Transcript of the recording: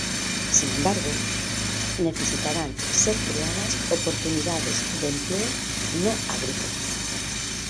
Sin embargo, necesitarán ser creadas oportunidades de empleo no-agrícolas.